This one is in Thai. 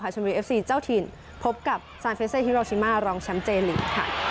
ชนบุรีเอฟซีเจ้าถิ่นพบกับซานเฟเซฮิโรชิมารองแชมป์เจลีกค่ะ